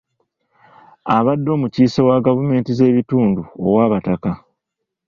Abadde omukiise wa gavumenti z'ebitundu ow'abataka.